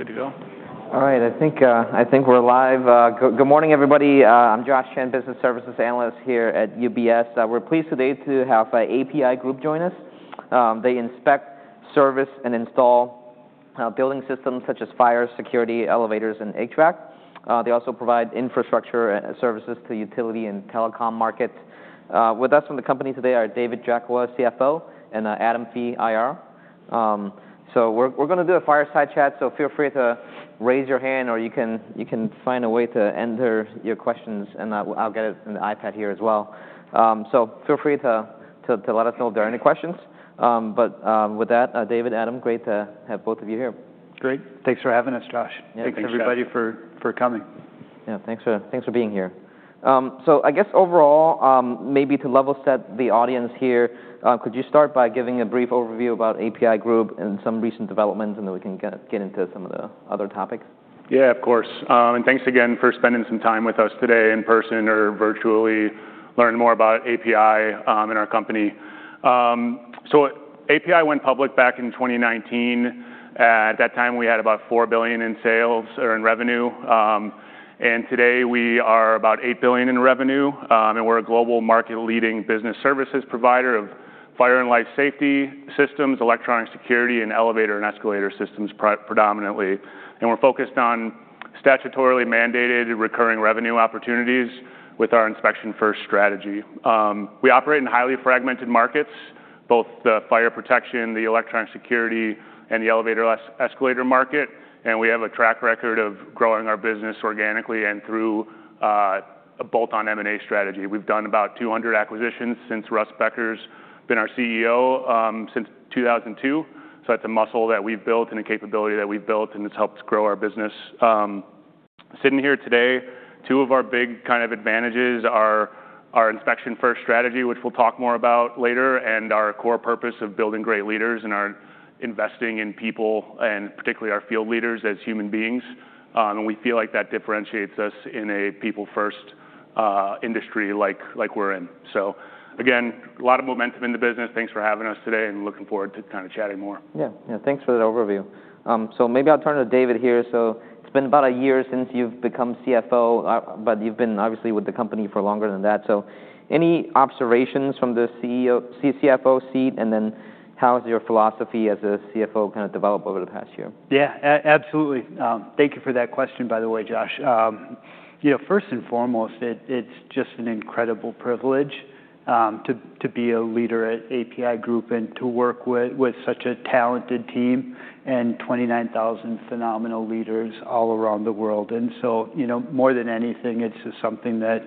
Ready to go. All right. I think we're live. Good morning, everybody. I'm Josh Chen, Business Services Analyst here at UBS. We're pleased today to have the APi Group join us. They inspect, service, and install building systems such as fire, security, elevators, and HVAC. They also provide infrastructure services to utility and telecom markets. With us from the company today are David Jackola, CFO, and Adam Fee, IR. We're gonna do a fireside chat, so feel free to raise your hand or you can find a way to enter your questions, and I'll get it in the iPad here as well. Feel free to let us know if there are any questions. With that, David, Adam, great to have both of you here. Great. Thanks for having us, Josh. Yeah. Thanks, everybody, for coming. Yeah. Thanks for, thanks for being here. I guess overall, maybe to level set the audience here, could you start by giving a brief overview about APi Group and some recent developments, and then we can get into some of the other topics? Yeah, of course. And thanks again for spending some time with us today in person or virtually learning more about APi and our company. APi went public back in 2019. At that time, we had about $4 billion in sales or in revenue. And today, we are about $8 billion in revenue. We're a global market-leading business services provider of fire and life safety systems, electronic security, and elevator and escalator systems predominantly. We're focused on statutorily mandated recurring revenue opportunities with our inspection-first strategy. We operate in highly fragmented markets, both the fire protection, the electronic security, and the elevator/escalator market. We have a track record of growing our business organically and through a bolt-on M&A strategy. We've done about 200 acquisitions since Russ Becker's been our CEO, since 2002. It's a muscle that we've built and a capability that we've built, and it's helped grow our business. Sitting here today, two of our big kind of advantages are our inspection-first strategy, which we'll talk more about later, and our core purpose of building great leaders and our investing in people, and particularly our field leaders as human beings. We feel like that differentiates us in a people-first industry like we're in. Again, a lot of momentum in the business. Thanks for having us today, and looking forward to kinda chatting more. Yeah. Yeah. Thanks for that overview. Maybe I'll turn to David here. It's been about a year since you've become CFO, but you've been obviously with the company for longer than that. Any observations from the CEO, CFO seat, and then how has your philosophy as a CFO kinda developed over the past year? Yeah. Absolutely. Thank you for that question, by the way, Josh. You know, first and foremost, it's just an incredible privilege to be a leader at APi Group and to work with such a talented team and 29,000 phenomenal leaders all around the world. You know, more than anything, it's just something that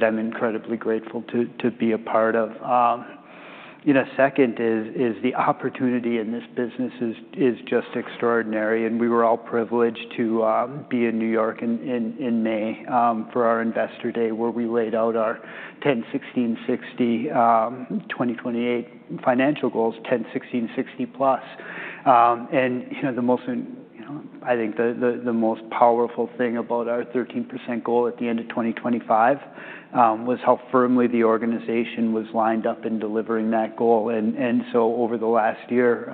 I'm incredibly grateful to be a part of. You know, second is the opportunity in this business is just extraordinary. We were all privileged to be in New York in May for our investor day where we laid out our 10-16-60 2028 financial goals, 10-16-60 plus. You know, the most, you know, I think the most powerful thing about our 13% goal at the end of 2025 was how firmly the organization was lined up in delivering that goal. Over the last year,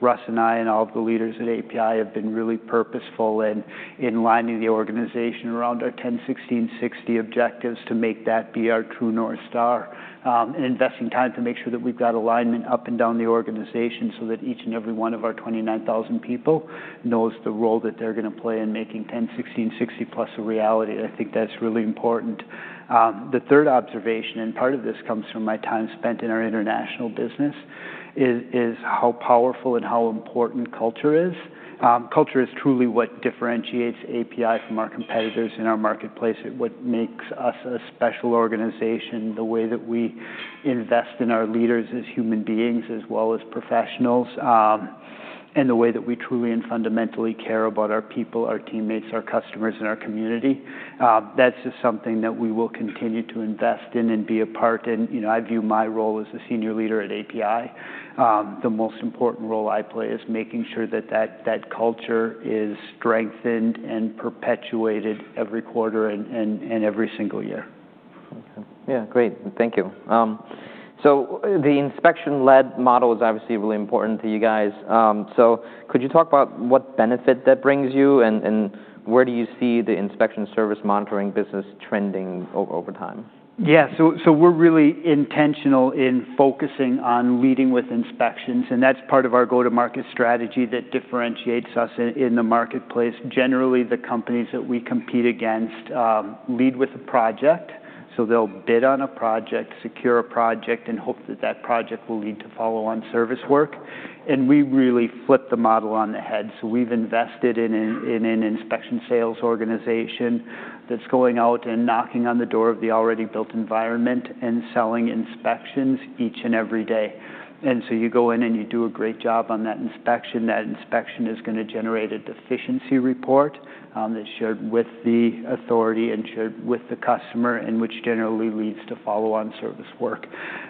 Russ and I and all of the leaders at APi have been really purposeful in lining the organization around our 10-16-60 objectives to make that be our true north star, and investing time to make sure that we've got alignment up and down the organization so that each and every one of our 29,000 people knows the role that they're gonna play in making 10-16-60 plus a reality. I think that's really important. The third observation, and part of this comes from my time spent in our international business, is how powerful and how important culture is. Culture is truly what differentiates APi from our competitors in our marketplace. It is what makes us a special organization. The way that we invest in our leaders as human beings as well as professionals, and the way that we truly and fundamentally care about our people, our teammates, our customers, and our community. That is just something that we will continue to invest in and be a part. You know, I view my role as a senior leader at APi, the most important role I play is making sure that that culture is strengthened and perpetuated every quarter and every single year. Okay. Yeah. Great. Thank you. The inspection-led model is obviously really important to you guys. Could you talk about what benefit that brings you and where do you see the inspection service monitoring business trending over time? Yeah. So we're really intentional in focusing on leading with inspections, and that's part of our go-to-market strategy that differentiates us in the marketplace. Generally, the companies that we compete against lead with a project. They'll bid on a project, secure a project, and hope that that project will lead to follow-on service work. We really flip the model on the head. We've invested in an inspection sales organization that's going out and knocking on the door of the already built environment and selling inspections each and every day. You go in and you do a great job on that inspection. That inspection is gonna generate a deficiency report that's shared with the authority and shared with the customer, which generally leads to follow-on service work.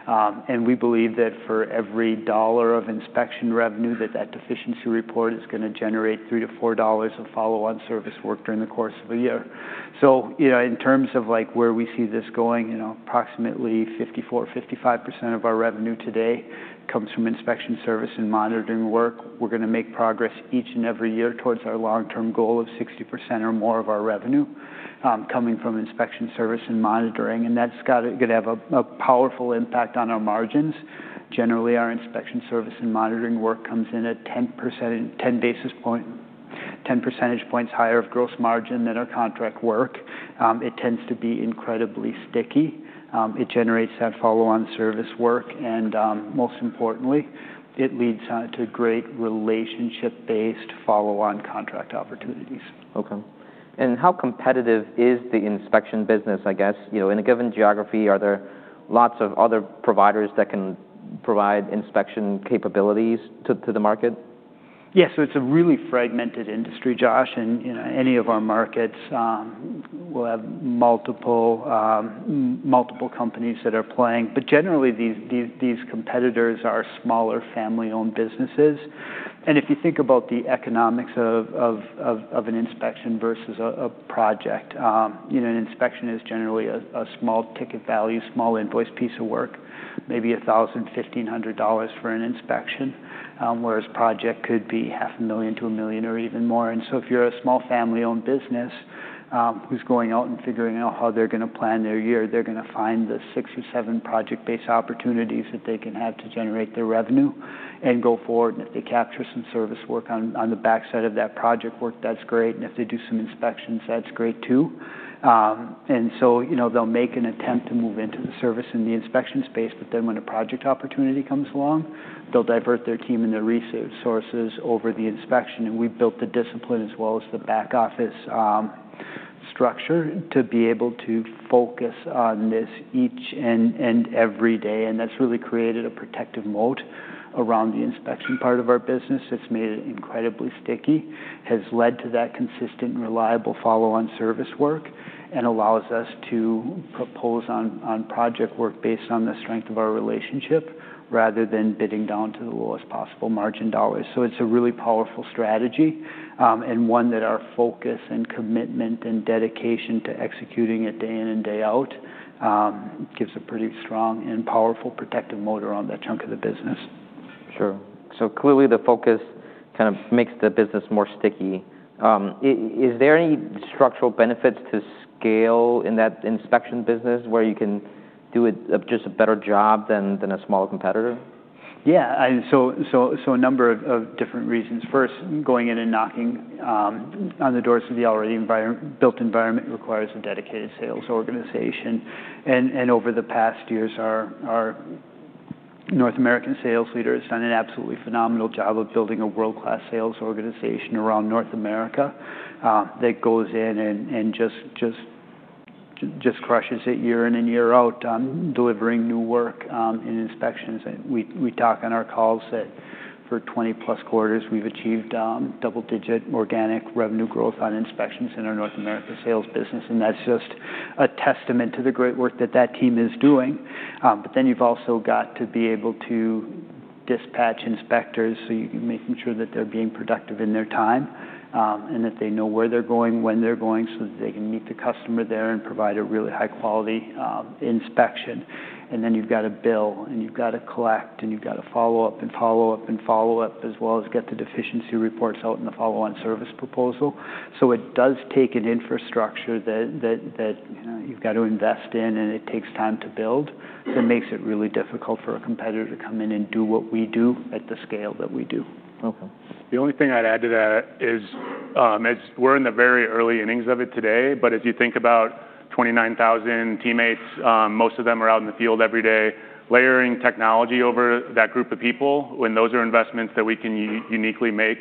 and we believe that for every dollar of inspection revenue that that deficiency report is gonna generate $3-$4 of follow-on service work during the course of a year. You know, in terms of, like, where we see this going, you know, approximately 54%-55% of our revenue today comes from inspection service and monitoring work. We're gonna make progress each and every year towards our long-term goal of 60% or more of our revenue, coming from inspection service and monitoring. That's gotta gonna have a, a powerful impact on our margins. Generally, our inspection service and monitoring work comes in at 10% and 10 basis point, 10 percentage points higher of gross margin than our contract work. It tends to be incredibly sticky. It generates that follow-on service work, and, most importantly, it leads to great relationship-based follow-on contract opportunities. Okay. How competitive is the inspection business, you know? In a given geography, are there lots of other providers that can provide inspection capabilities to the market? Yeah. It's a really fragmented industry, Josh. You know, any of our markets will have multiple, multiple companies that are playing. Generally, these competitors are smaller family-owned businesses. If you think about the economics of an inspection versus a project, you know, an inspection is generally a small ticket value, small invoice piece of work, maybe $1,000, $1,500 for an inspection, whereas a project could be $500,000 to $1,000,000 or even more. If you're a small family-owned business who's going out and figuring out how they're gonna plan their year, they're gonna find the six or seven project-based opportunities that they can have to generate their revenue and go forward. If they capture some service work on the backside of that project work, that's great. If they do some inspections, that's great too. You know, they'll make an attempt to move into the service and the inspection space, but then when a project opportunity comes along, they'll divert their team and their resources over the inspection. We've built the discipline as well as the back office structure to be able to focus on this each and every day. That's really created a protective moat around the inspection part of our business. It's made it incredibly sticky, has led to that consistent and reliable follow-on service work, and allows us to propose on project work based on the strength of our relationship rather than bidding down to the lowest possible margin dollars. It is a really powerful strategy, and one that our focus and commitment and dedication to executing it day in and day out gives a pretty strong and powerful protective motor on that chunk of the business. Sure. So clearly, the focus kinda makes the business more sticky. Is there any structural benefits to scale in that inspection business where you can do it, just a better job than a smaller competitor? Yeah. I, so, a number of different reasons. First, going in and knocking on the doors of the already built environment requires a dedicated sales organization. Over the past years, our North American sales leader has done an absolutely phenomenal job of building a world-class sales organization around North America that goes in and just crushes it year in and year out, delivering new work in inspections. We talk on our calls that for 20-plus quarters, we have achieved double-digit organic revenue growth on inspections in our North America sales business. That is just a testament to the great work that team is doing. You have also got to be able to dispatch inspectors so you can make sure that they are being productive in their time, and that they know where they are going, when they are going, so that they can meet the customer there and provide a really high-quality inspection. You have got to bill, and you have got to collect, and you have got to follow up and follow up and follow up, as well as get the deficiency reports out and the follow-on service proposal. It does take an infrastructure that, you know, you have got to invest in, and it takes time to build that makes it really difficult for a competitor to come in and do what we do at the scale that we do. Okay. The only thing I'd add to that is, as we're in the very early innings of it today, but as you think about 29,000 teammates, most of them are out in the field every day layering technology over that group of people, when those are investments that we can uniquely make,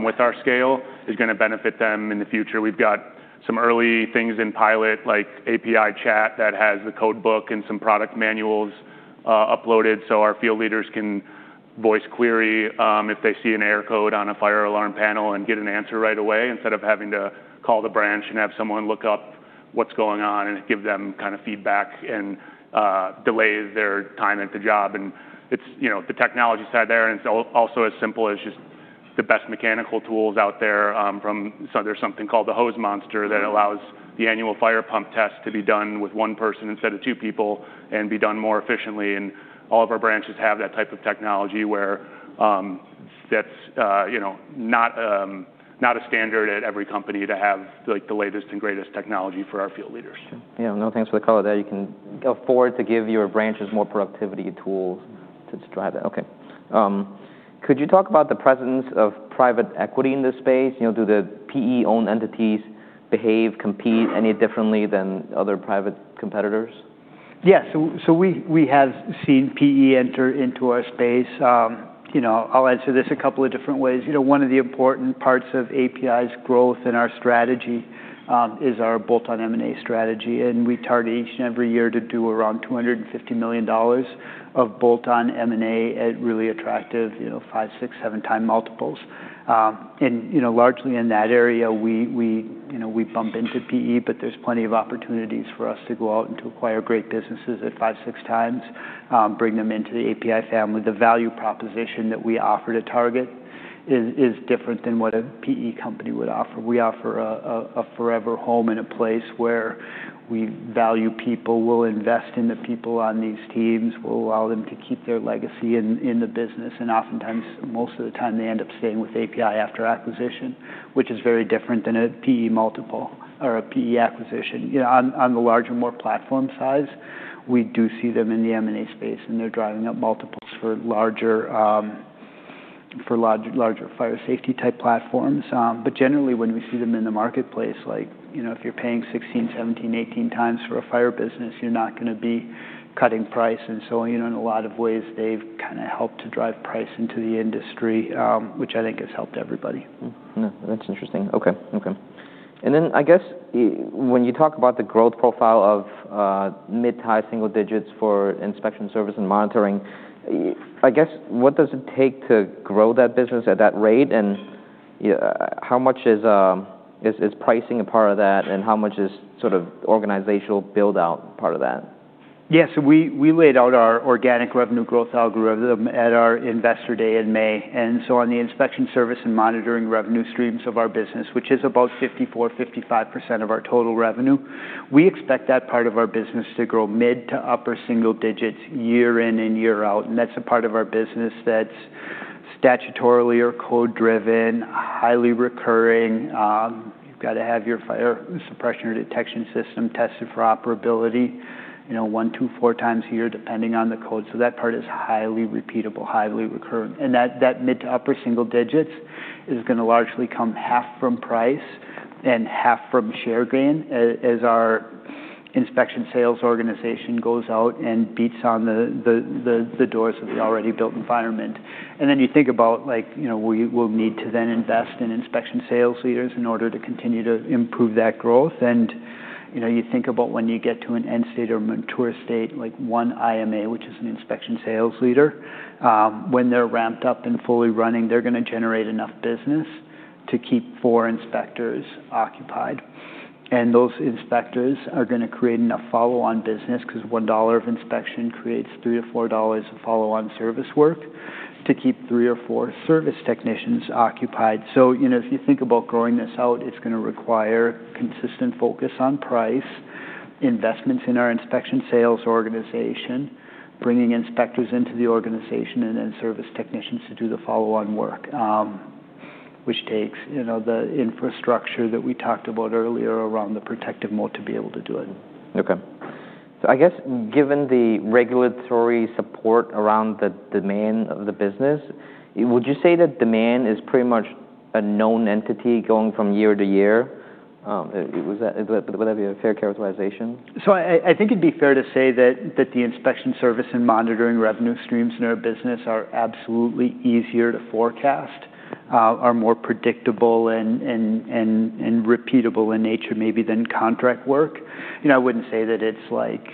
with our scale, is gonna benefit them in the future. We've got some early things in pilot, like APi Chat, that has the codebook and some product manuals uploaded so our field leaders can voice query, if they see an error code on a fire alarm panel and get an answer right away instead of having to call the branch and have someone look up what's going on and give them kinda feedback and delay their time at the job. It's, you know, the technology side there, and it's also as simple as just the best mechanical tools out there, from so there's something called the Hose Monster that allows the annual fire pump test to be done with one person instead of two people and be done more efficiently. All of our branches have that type of technology where, that's, you know, not, not a standard at every company to have, like, the latest and greatest technology for our field leaders. Yeah. No, thanks for the call. You can afford to give your branches more productivity tools to drive that. Okay. Could you talk about the presence of private equity in this space? You know, do the PE-owned entities behave, compete any differently than other private competitors? Yeah. So we have seen PE enter into our space. You know, I'll answer this a couple of different ways. You know, one of the important parts of APi's growth in our strategy is our bolt-on M&A strategy. We target each and every year to do around $250 million of bolt-on M&A at really attractive, you know, five, six, seven-time multiples. You know, largely in that area, we, you know, we bump into PE, but there's plenty of opportunities for us to go out and to acquire great businesses at five, six times, bring them into the APi family. The value proposition that we offer to target is different than what a PE company would offer. We offer a forever home and a place where we value people, will invest in the people on these teams, will allow them to keep their legacy in the business. And oftentimes, most of the time, they end up staying with APi after acquisition, which is very different than a PE multiple or a PE acquisition. You know, on the larger, more platform size, we do see them in the M&A space, and they're driving up multiples for larger, for large, larger fire safety-type platforms. but generally, when we see them in the marketplace, like, you know, if you're paying 16, 17, 18 times for a fire business, you're not gonna be cutting price. And so, you know, in a lot of ways, they've kinda helped to drive price into the industry, which I think has helped everybody. That's interesting. Okay. And then, I guess, when you talk about the growth profile of mid to high single digits for inspection service and monitoring, I guess, what does it take to grow that business at that rate? And, you know, how much is pricing a part of that, and how much is sort of organizational build-out part of that? Yeah. We laid out our organic revenue growth algorithm at our investor day in May. On the inspection service and monitoring revenue streams of our business, which is about 54-55% of our total revenue, we expect that part of our business to grow mid to upper single digits year in and year out. That is a part of our business that is statutorily or code-driven, highly recurring. You have got to have your fire suppression or detection system tested for operability, you know, one, two, four times a year, depending on the code. That part is highly repeatable, highly recurring. That mid to upper single digits is going to largely come half from price and half from share gain as our inspection sales organization goes out and beats on the doors of the already built environment. You think about, like, you know, we will need to then invest in inspection sales leaders in order to continue to improve that growth. You know, you think about when you get to an end state or mature state, like one IMA, which is an inspection sales leader, when they're ramped up and fully running, they're gonna generate enough business to keep four inspectors occupied. Those inspectors are gonna create enough follow-on business 'cause $1 of inspection creates $3-$4 of follow-on service work to keep three or four service technicians occupied. You know, if you think about growing this out, it's gonna require consistent focus on price, investments in our inspection sales organization, bringing inspectors into the organization, and then service technicians to do the follow-on work, which takes, you know, the infrastructure that we talked about earlier around the protective moat to be able to do it. Okay. I guess, given the regulatory support around the demand of the business, would you say that demand is pretty much a known entity going from year-to-year? Is that a fair characterization? I think it'd be fair to say that the inspection service and monitoring revenue streams in our business are absolutely easier to forecast, are more predictable and repeatable in nature maybe than contract work. You know, I wouldn't say that it's, like,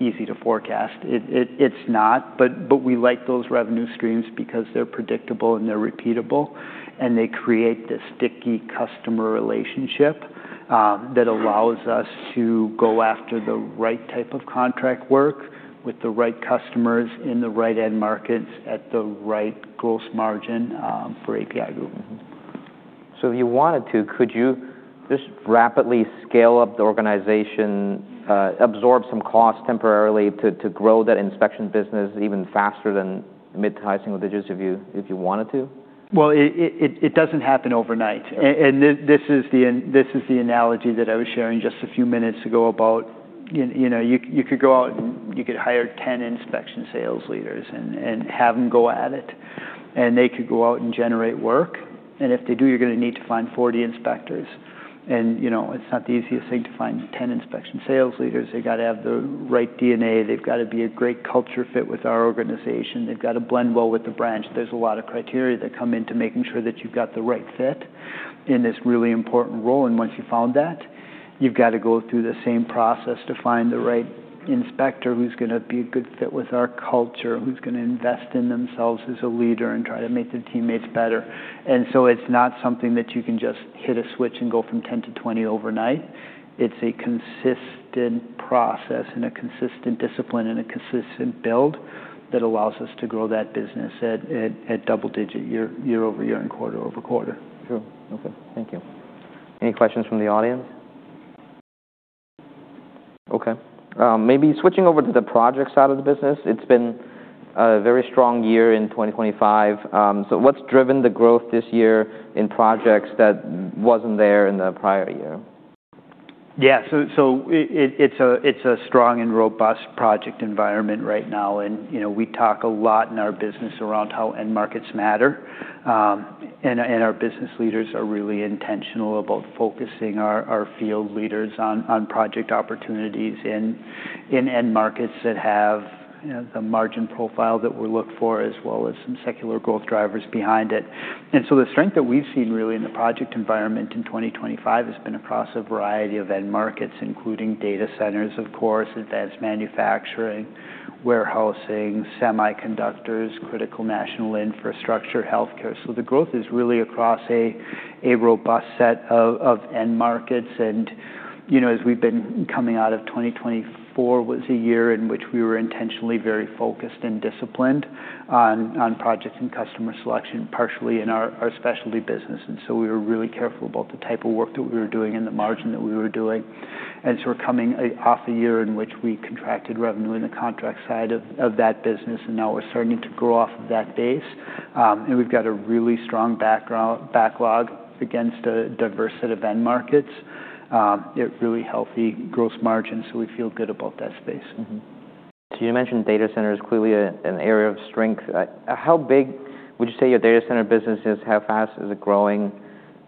easy to forecast. It's not. But we like those revenue streams because they're predictable and they're repeatable, and they create this sticky customer relationship, that allows us to go after the right type of contract work with the right customers in the right end markets at the right gross margin, for APi Group. If you wanted to, could you just rapidly scale up the organization, absorb some cost temporarily to grow that inspection business even faster than mid to high single digits if you wanted to? It does not happen overnight. This is the analogy that I was sharing just a few minutes ago about, you know, you could go out and you could hire 10 inspection sales leaders and have them go at it. They could go out and generate work. If they do, you are going to need to find 40 inspectors. You know, it is not the easiest thing to find 10 inspection sales leaders. They have to have the right DNA. They have to be a great culture fit with our organization. They have to blend well with the branch. There is a lot of criteria that come into making sure that you have the right fit in this really important role. Once you've found that, you've gotta go through the same process to find the right inspector who's gonna be a good fit with our culture, who's gonna invest in themselves as a leader and try to make their teammates better. It's not something that you can just hit a switch and go from 10 to 20 overnight. It's a consistent process and a consistent discipline and a consistent build that allows us to grow that business at double-digit year-over-year and quarter-over-quarter. Sure. Okay. Thank you. Any questions from the audience? Okay. Maybe switching over to the project side of the business, it's been a very strong year in 2025. So what's driven the growth this year in projects that wasn't there in the prior year? Yeah. It's a strong and robust project environment right now. You know, we talk a lot in our business around how end markets matter, and our business leaders are really intentional about focusing our field leaders on project opportunities in end markets that have the margin profile that we look for as well as some secular growth drivers behind it. The strength that we've seen really in the project environment in 2025 has been across a variety of end markets, including data centers, of course, advanced manufacturing, warehousing, semiconductors, critical national infrastructure, healthcare. The growth is really across a robust set of end markets. You know, as we've been coming out of 2024, it was a year in which we were intentionally very focused and disciplined on projects and customer selection, partially in our specialty business. We were really careful about the type of work that we were doing and the margin that we were doing. We're coming off a year in which we contracted revenue in the contract side of that business. Now we're starting to grow off of that base, and we've got a really strong backlog against a diverse set of end markets, yet really healthy gross margin. We feel good about that space. Mm-hmm. You mentioned data center is clearly a, an area of strength. How big would you say your data center business is? How fast is it growing?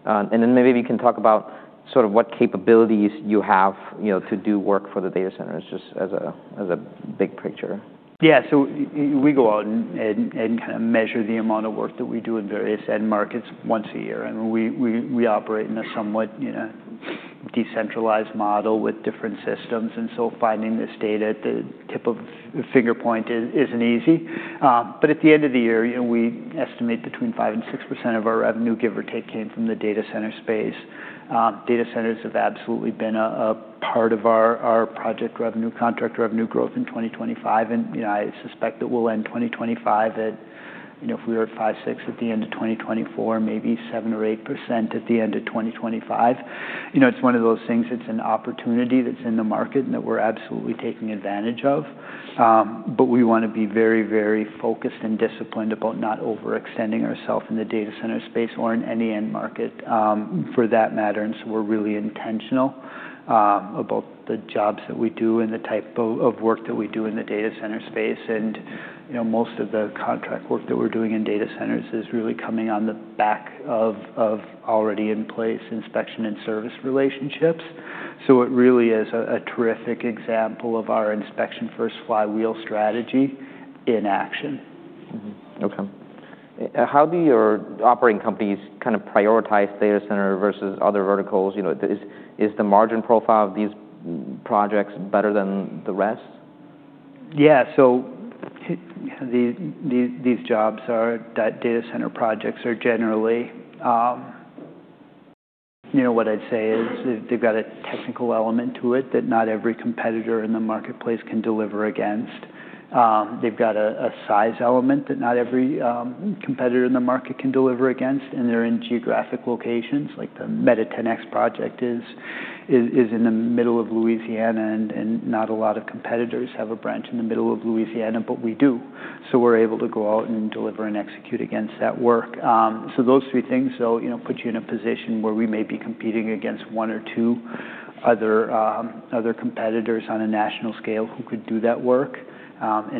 Maybe we can talk about sort of what capabilities you have, you know, to do work for the data centers just as a, as a big picture. Yeah. I mean, we go out and kind of measure the amount of work that we do in various end markets once a year. I mean, we operate in a somewhat, you know, decentralized model with different systems. And so finding this data at the tip of finger point isn't easy. At the end of the year, you know, we estimate between five-6% of our revenue, give or take, came from the data center space. Data centers have absolutely been a part of our project revenue, contract revenue growth in 2025. You know, I suspect that we'll end 2025 at, you know, if we were at five-6% at the end of 2024, maybe seven-8% at the end of 2025. You know, it's one of those things that's an opportunity that's in the market and that we're absolutely taking advantage of. We wanna be very, very focused and disciplined about not overextending ourself in the data center space or in any end market, for that matter. We're really intentional about the jobs that we do and the type of work that we do in the data center space. You know, most of the contract work that we're doing in data centers is really coming on the back of already in place inspection and service relationships. It really is a terrific example of our inspection-first flywheel strategy in action. Mm-hmm. Okay. How do your operating companies kinda prioritize data center versus other verticals? You know, is the margin profile of these projects better than the rest? Yeah. These jobs are data center projects are generally, you know, what I'd say is they've got a technical element to it that not every competitor in the marketplace can deliver against. They've got a size element that not every competitor in the market can deliver against. And they're in geographic locations. Like, the MEDITREX project is in the middle of Louisiana, and not a lot of competitors have a branch in the middle of Louisiana, but we do. So we're able to go out and deliver and execute against that work. Those three things, though, you know, put you in a position where we may be competing against one or two other competitors on a national scale who could do that work.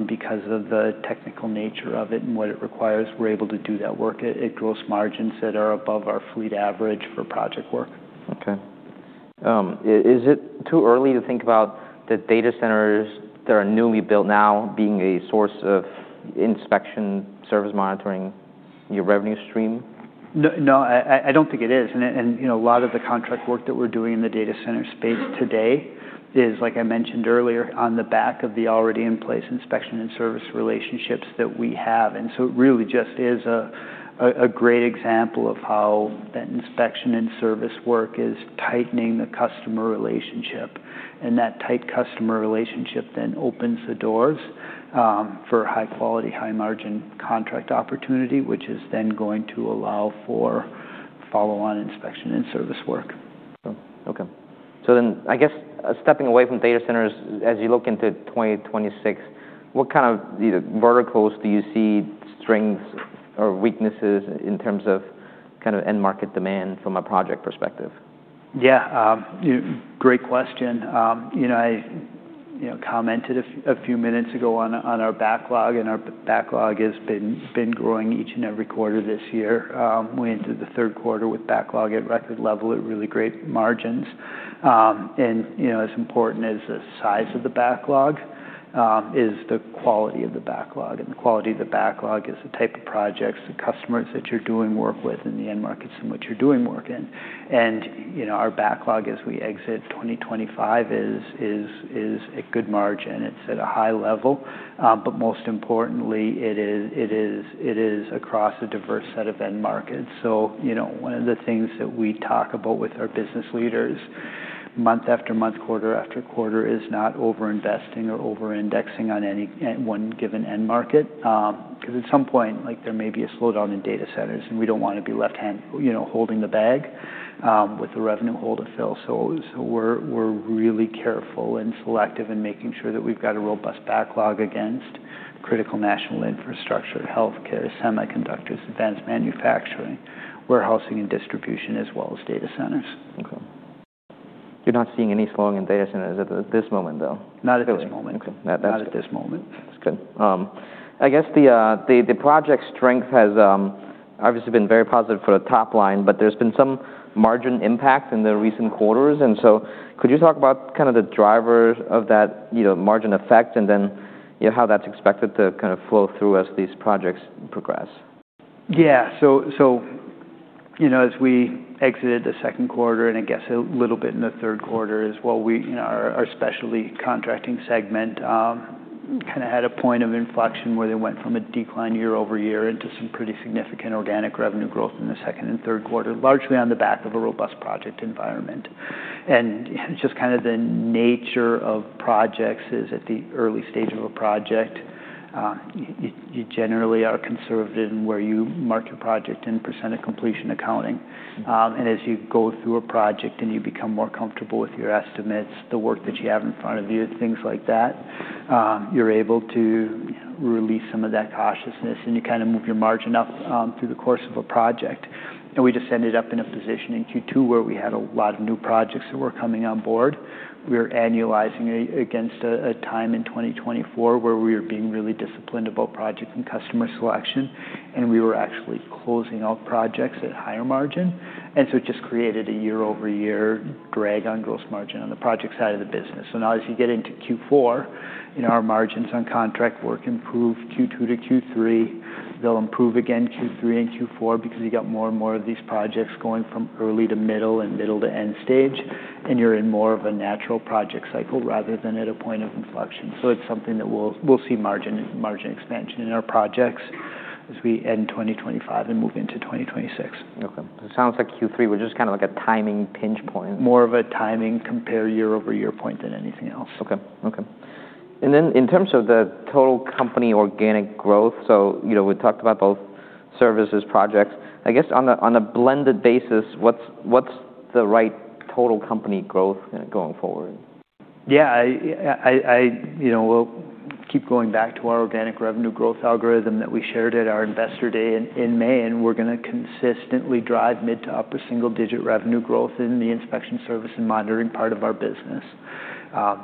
Because of the technical nature of it and what it requires, we're able to do that work at gross margins that are above our fleet average for project work. Okay. Is it too early to think about the data centers that are newly built now being a source of inspection service monitoring, your revenue stream? No, I, I don't think it is. You know, a lot of the contract work that we're doing in the data center space today is, like I mentioned earlier, on the back of the already in place inspection and service relationships that we have. It really just is a great example of how that inspection and service work is tightening the customer relationship. That tight customer relationship then opens the doors for high-quality, high-margin contract opportunity, which is then going to allow for follow-on inspection and service work. Okay. So then, I guess, stepping away from data centers, as you look into 2026, what kind of, you know, verticals do you see strengths or weaknesses in terms of kind of end market demand from a project perspective? Yeah. Great question. You know, I commented a few minutes ago on our backlog. And our backlog has been growing each and every quarter this year. We entered the third quarter with backlog at record level at really great margins. You know, as important as the size of the backlog is the quality of the backlog. The quality of the backlog is the type of projects, the customers that you're doing work with in the end markets and what you're doing work in. You know, our backlog as we exit 2025 is at good margin. It's at a high level. Most importantly, it is across a diverse set of end markets. You know, one of the things that we talk about with our business leaders month after month, quarter after quarter is not over-investing or over-indexing on any one given end market. 'Cause at some point, like, there may be a slowdown in data centers, and we don't wanna be left hand, you know, holding the bag, with the revenue hold-up fill. We're really careful and selective in making sure that we've got a robust backlog against critical national infrastructure, healthcare, semiconductors, advanced manufacturing, warehousing, and distribution, as well as data centers. Okay. You're not seeing any slowing in data centers at this moment, though? Not at this moment. Okay. That's good. Not at this moment. That's good. I guess the project strength has, obviously, been very positive for the top line, but there's been some margin impact in the recent quarters. Could you talk about kinda the drivers of that, you know, margin effect and then, you know, how that's expected to kinda flow through as these projects progress? Yeah. So, you know, as we exited the second quarter and I guess a little bit in the third quarter as well, we, you know, our specialty contracting segment kinda had a point of inflection where they went from a decline year over year into some pretty significant organic revenue growth in the second and third quarter, largely on the back of a robust project environment. And, you know, just kinda the nature of projects is at the early stage of a project, you generally are conservative in where you mark your project and percent of completion accounting. As you go through a project and you become more comfortable with your estimates, the work that you have in front of you, things like that, you're able to, you know, release some of that cautiousness and you kinda move your margin up, through the course of a project. We just ended up in a position in Q2 where we had a lot of new projects that were coming on board. We were annualizing against a time in 2024 where we were being really disciplined about project and customer selection. We were actually closing out projects at higher margin. It just created a year-over-year drag on gross margin on the project side of the business. Now as you get into Q4, you know, our margins on contract work improved Q2 to Q3. They'll improve again Q3 and Q4 because you got more and more of these projects going from early to middle and middle to end stage, and you're in more of a natural project cycle rather than at a point of inflection. It's something that we'll see margin and margin expansion in our projects as we end 2025 and move into 2026. Okay. So it sounds like Q3 was just kinda like a timing pinch point. More of a timing compare year-over-year point than anything else. Okay. Okay. In terms of the total company organic growth, you know, we talked about both services, projects. I guess on a blended basis, what's the right total company growth kinda going forward? Yeah. I, you know, we'll keep going back to our organic revenue growth algorithm that we shared at our investor day in May. We're gonna consistently drive mid to upper single-digit revenue growth in the inspection service and monitoring part of our business.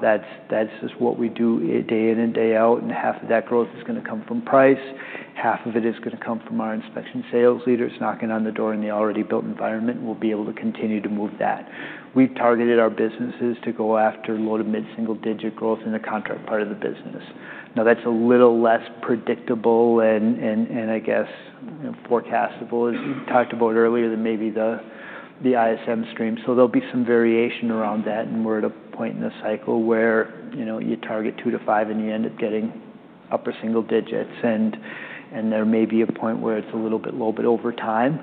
That's just what we do day in and day out. Half of that growth is gonna come from price. Half of it is gonna come from our inspection sales leaders knocking on the door in the already built environment. We'll be able to continue to move that. We've targeted our businesses to go after low to mid single-digit growth in the contract part of the business. Now, that's a little less predictable and, I guess, you know, forecastable as we talked about earlier than maybe the ISM stream. There'll be some variation around that. We're at a point in the cycle where, you know, you target two to five and you end up getting upper single digits. There may be a point where it's a little bit low. Over time,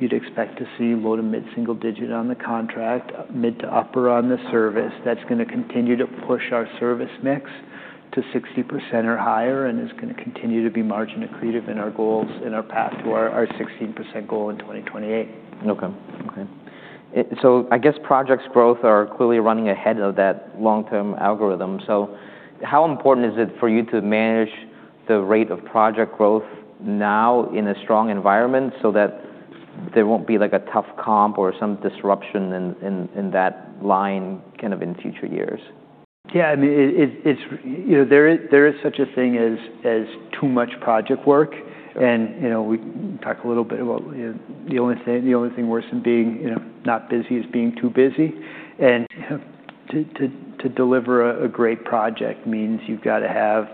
you'd expect to see low to mid single digit on the contract, mid to upper on the service. That's gonna continue to push our service mix to 60% or higher and is gonna continue to be margin accretive in our goals and our path to our 16% goal in 2028. Okay. I guess projects growth are clearly running ahead of that long-term algorithm. How important is it for you to manage the rate of project growth now in a strong environment so that there won't be like a tough comp or some disruption in that line kind of in future years? Yeah. I mean, it's, you know, there is, there is such a thing as, as too much project work. And, you know, we talk a little bit about, you know, the only thing, the only thing worse than being, you know, not busy is being too busy. And, you know, to deliver a great project means you've gotta have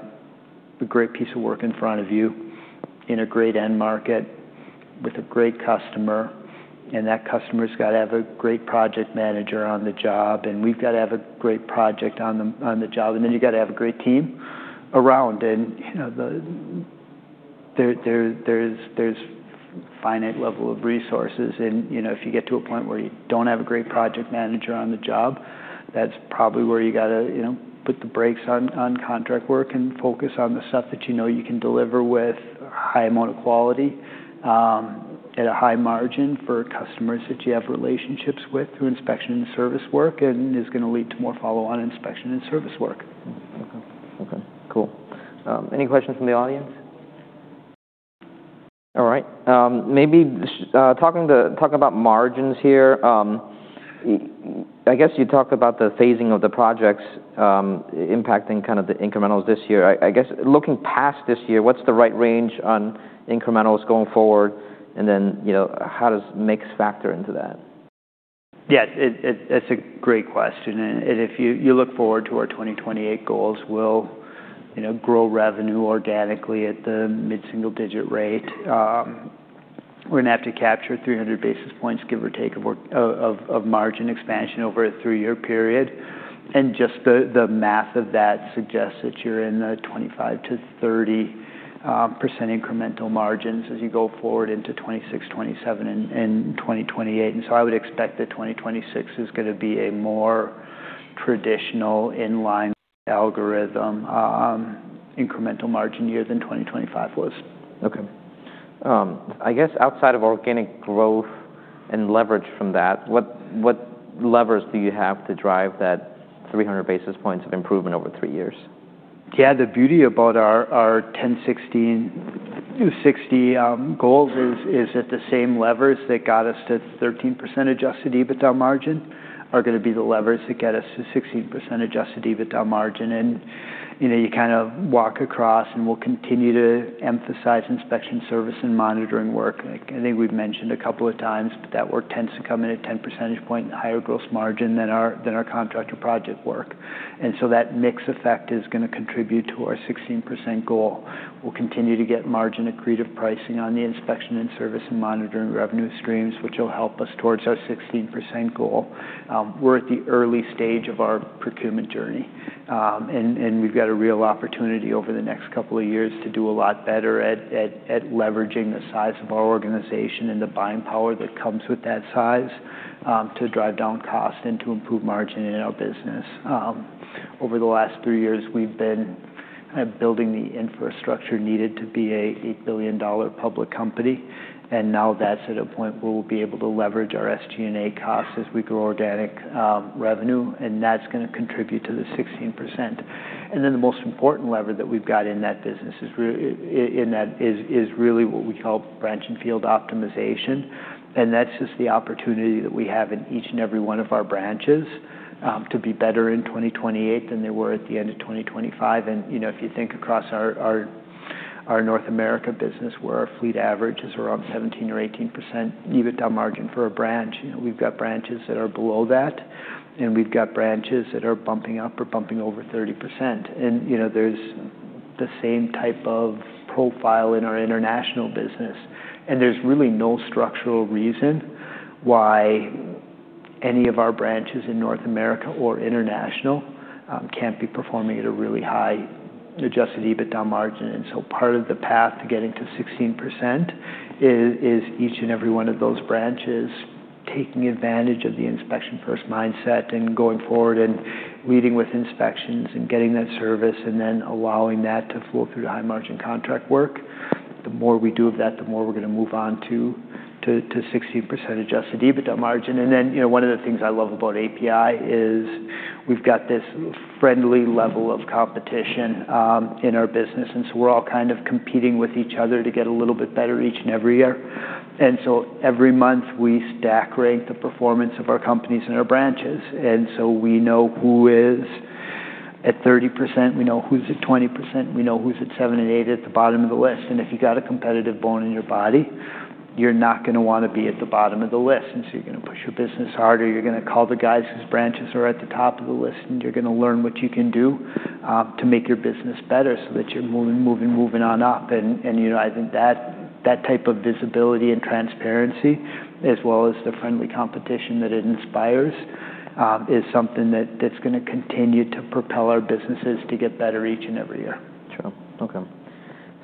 a great piece of work in front of you in a great end market with a great customer. And that customer's gotta have a great project manager on the job. We've gotta have a great project on the job. You gotta have a great team around. You know, there's a finite level of resources. You know, if you get to a point where you don't have a great project manager on the job, that's probably where you gotta, you know, put the brakes on contract work and focus on the stuff that you know you can deliver with high amount of quality, at a high margin for customers that you have relationships with through inspection and service work and is gonna lead to more follow-on inspection and service work. Okay. Okay. Cool. Any questions from the audience? All right. Maybe talking about margins here, I guess you talked about the phasing of the projects, impacting kinda the incrementals this year. I guess looking past this year, what's the right range on incrementals going forward? And then, you know, how does mix factor into that? Yeah. It's a great question. And if you look forward to our 2028 goals, we'll, you know, grow revenue organically at the mid single-digit rate. We're gonna have to capture 300 basis points, give or take, of margin expansion over a three-year period. Just the math of that suggests that you're in the 25-30% incremental margins as you go forward into 2026, 2027, and 2028. I would expect that 2026 is gonna be a more traditional inline algorithm, incremental margin year than 2025 was. Okay. I guess outside of organic growth and leverage from that, what levers do you have to drive that 300 basis points of improvement over three years? Yeah. The beauty about our 10-16-60 goals is that the same levers that got us to 13% adjusted EBITDA margin are gonna be the levers that get us to 16% adjusted EBITDA margin. And, you know, you kinda walk across and we'll continue to emphasize inspection service and monitoring work. Like, I think we've mentioned a couple of times, but that work tends to come in at 10 percentage point higher gross margin than our contract or project work. That mix effect is gonna contribute to our 16% goal. We'll continue to get margin accretive pricing on the inspection and service and monitoring revenue streams, which will help us towards our 16% goal. We're at the early stage of our procurement journey. And we've got a real opportunity over the next couple of years to do a lot better at leveraging the size of our organization and the buying power that comes with that size, to drive down cost and to improve margin in our business. Over the last three years, we've been kinda building the infrastructure needed to be an $8 billion public company. And now that's at a point where we'll be able to leverage our SG&A costs as we grow organic revenue. And that's gonna contribute to the 16%. The most important lever that we've got in that business is really what we call branch and field optimization. That's just the opportunity that we have in each and every one of our branches, to be better in 2028 than they were at the end of 2025. You know, if you think across our North America business, where our fleet average is around 17% or 18% EBITDA margin for a branch, you know, we've got branches that are below that. We've got branches that are bumping up or bumping over 30%. You know, there's the same type of profile in our international business. There's really no structural reason why any of our branches in North America or international can't be performing at a really high adjusted EBITDA margin. Part of the path to getting to 16% is each and every one of those branches taking advantage of the inspection-first mindset and going forward and leading with inspections and getting that service and then allowing that to flow through high margin contract work. The more we do of that, the more we're gonna move on to 16% adjusted EBITDA margin. You know, one of the things I love about APi is we've got this friendly level of competition in our business. We're all kind of competing with each other to get a little bit better each and every year. Every month we stack rank the performance of our companies and our branches. We know who is at 30%. We know who's at 20%. We know who's at seven and 8 at the bottom of the list. If you got a competitive bone in your body, you're not gonna wanna be at the bottom of the list. You're gonna push your business harder. You're gonna call the guys whose branches are at the top of the list, and you're gonna learn what you can do to make your business better so that you're moving, moving, moving on up. You know, I think that type of visibility and transparency, as well as the friendly competition that it inspires, is something that's gonna continue to propel our businesses to get better each and every year. Sure. Okay.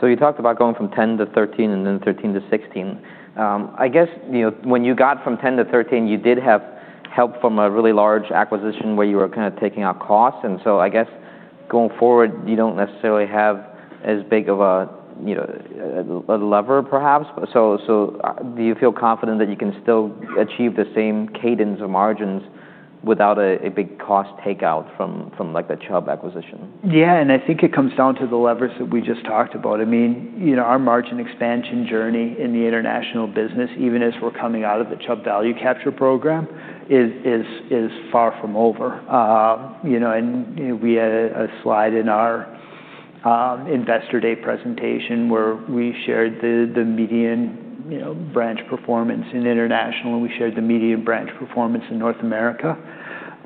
So you talked about going from 10 to 13 and then 13 to 16. I guess, you know, when you got from 10 to 13, you did have help from a really large acquisition where you were kinda taking out costs. I guess going forward, you do not necessarily have as big of a, you know, a lever perhaps. So do you feel confident that you can still achieve the same cadence of margins without a big cost takeout from, from like a Chubb acquisition? Yeah. I think it comes down to the levers that we just talked about. I mean, you know, our margin expansion journey in the international business, even as we're coming out of the Chubb value capture program, is far from over. You know, we had a slide in our investor day presentation where we shared the median, you know, branch performance in international, and we shared the median branch performance in North America.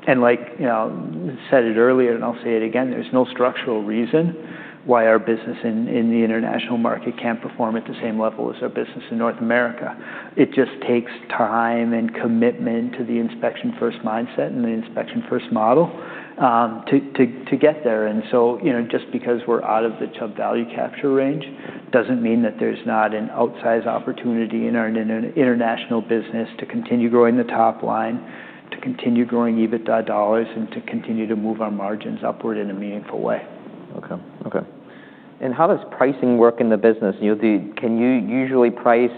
Like, you know, I said it earlier, and I'll say it again, there's no structural reason why our business in the international market can't perform at the same level as our business in North America. It just takes time and commitment to the inspection-first mindset and the inspection-first model to get there. You know, just because we're out of the Chubb value capture range doesn't mean that there's not an outsized opportunity in our international business to continue growing the top line, to continue growing EBITDA dollars, and to continue to move our margins upward in a meaningful way. Okay. Okay. How does pricing work in the business? You know, do can you usually price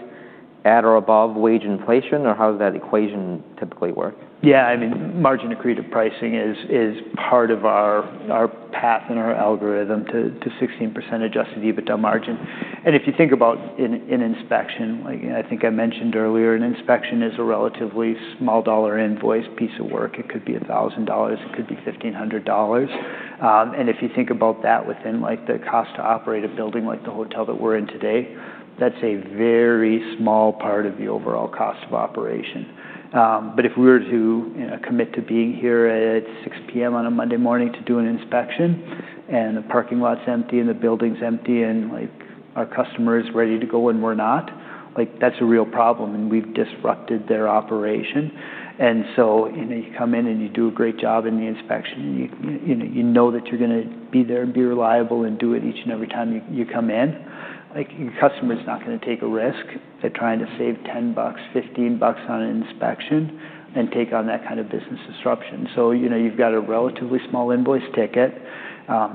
at or above wage inflation, or how does that equation typically work? Yeah. I mean, margin accretive pricing is, is part of our, our path and our algorithm to, to 16% adjusted EBITDA margin. And if you think about in, in inspection, like I think I mentioned earlier, an inspection is a relatively small dollar invoice piece of work. It could be $1,000. It could be $1,500. And if you think about that within like the cost to operate a building like the hotel that we're in today, that's a very small part of the overall cost of operation. If we were to, you know, commit to being here at 6:00 P.M. on a Monday morning to do an inspection and the parking lot's empty and the building's empty and like our customer is ready to go and we're not, like that's a real problem. And we've disrupted their operation. You come in and you do a great job in the inspection and you, you know, you know that you're gonna be there and be reliable and do it each and every time you come in. Like your customer's not gonna take a risk at trying to save $10, $15 on an inspection and take on that kind of business disruption. You know, you've got a relatively small invoice ticket.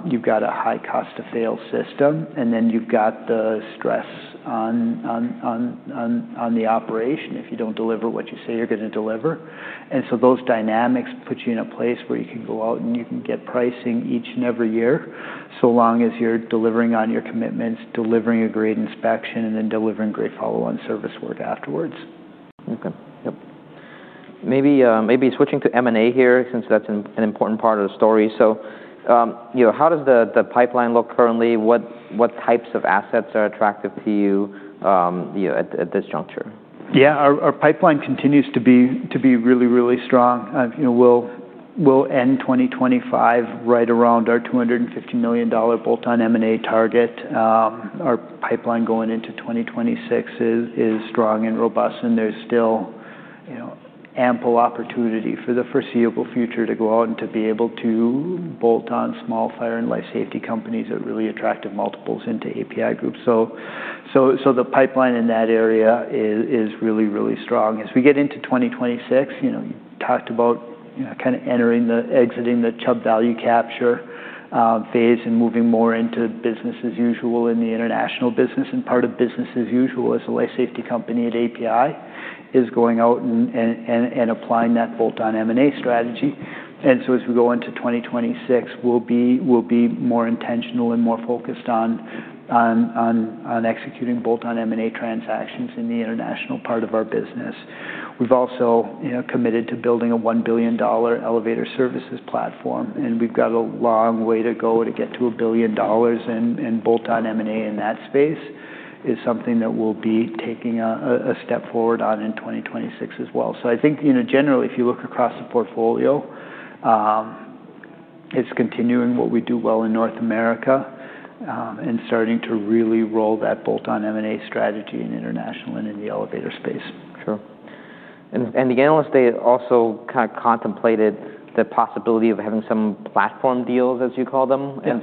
You've got a high cost of fail system. And then you've got the stress on the operation if you don't deliver what you say you're gonna deliver. Those dynamics put you in a place where you can go out and you can get pricing each and every year so long as you're delivering on your commitments, delivering a great inspection, and then delivering great follow-on service work afterwards. Okay. Yep. Maybe, maybe switching to M&A here since that's an important part of the story. You know, how does the pipeline look currently? What types of assets are attractive to you, you know, at this juncture? Yeah. Our pipeline continues to be, to be really, really strong. You know, we'll end 2025 right around our $250 million bolt-on M&A target. Our pipeline going into 2026 is strong and robust. And there's still, you know, ample opportunity for the foreseeable future to go out and to be able to bolt on small fire and life safety companies at really attractive multiples into APi Group. The pipeline in that area is really, really strong. As we get into 2026, you know, you talked about, you know, kinda entering the exiting the Chubb value capture phase and moving more into business as usual in the international business. Part of business as usual as a life safety company at APi is going out and applying that bolt-on M&A strategy. As we go into 2026, we'll be more intentional and more focused on executing bolt-on M&A transactions in the international part of our business. We've also committed to building a $1 billion elevator services platform. We've got a long way to go to get to a billion dollars, and bolt-on M&A in that space is something that we'll be taking a step forward on in 2026 as well. I think, you know, generally, if you look across the portfolio, it's continuing what we do well in North America, and starting to really roll that bolt-on M&A strategy in international and in the elevator space. Sure. The analyst, they also kinda contemplated the possibility of having some platform deals, as you call them. Yeah.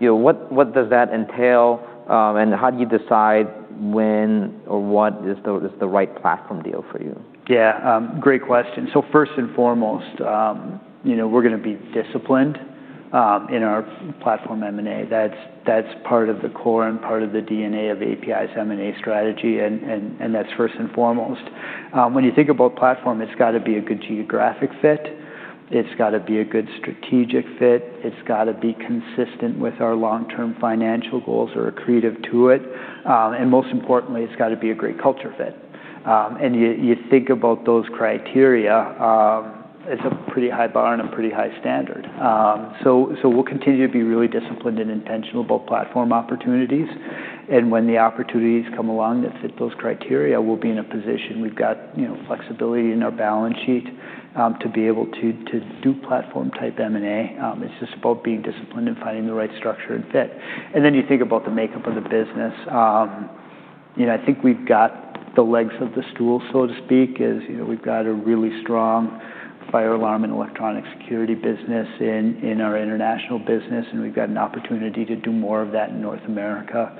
You know, what does that entail, and how do you decide when or what is the right platform deal for you? Yeah. Great question. So first and foremost, you know, we're gonna be disciplined in our platform M&A. That's part of the core and part of the DNA of APi's M&A strategy. And that's first and foremost. When you think about platform, it's gotta be a good geographic fit. It's gotta be a good strategic fit. It's gotta be consistent with our long-term financial goals or accretive to it. And most importantly, it's gotta be a great culture fit. And you, you think about those criteria, it's a pretty high bar and a pretty high standard. So we'll continue to be really disciplined and intentional about platform opportunities. And when the opportunities come along that fit those criteria, we'll be in a position. We've got, you know, flexibility in our balance sheet, to be able to, to do platform-type M&A. It's just about being disciplined and finding the right structure and fit. And then you think about the makeup of the business. You know, I think we've got the legs of the stool, so to speak, as, you know, we've got a really strong fire alarm and electronic security business in, in our international business. And we've got an opportunity to do more of that in North America.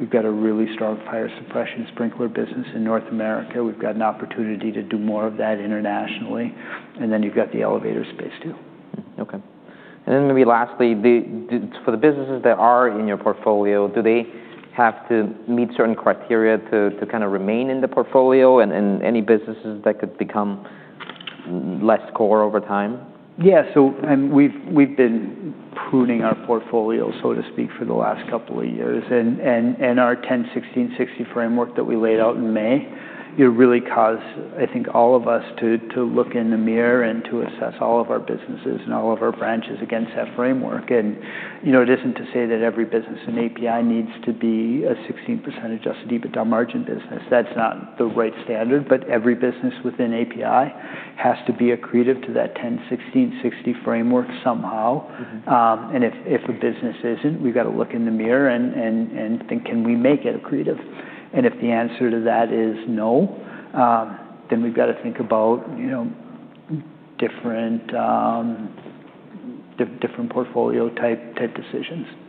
We've got a really strong fire suppression sprinkler business in North America. We've got an opportunity to do more of that internationally. And then you've got the elevator space too. Okay. Maybe lastly, for the businesses that are in your portfolio, do they have to meet certain criteria to kinda remain in the portfolio, and any businesses that could become less core over time? Yeah. So, we've been pruning our portfolio, so to speak, for the last couple of years. And our 10-16-60 framework that we laid out in May, you know, really caused, I think, all of us to look in the mirror and to assess all of our businesses and all of our branches against that framework. You know, it isn't to say that every business in APi needs to be a 16% Adjusted EBITDA margin business. That's not the right standard. But every business within APi has to be accretive to that 10-16-60 framework somehow. And if a business isn't, we've gotta look in the mirror and think, can we make it accretive? And if the answer to that is no, then we've gotta think about, you know, different, different portfolio type decisions. Sure. Okay.